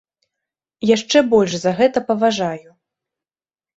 Яшчэ больш за гэта паважаю.